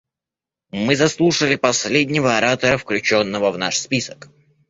Мы заслушали последнего оратора, включенного в наш список.